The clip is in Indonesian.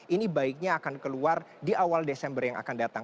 ini baiknya akan keluar di awal desember yang akan datang